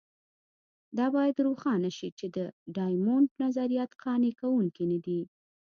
دا باید روښانه شي چې د ډایمونډ نظریات قانع کوونکي نه دي.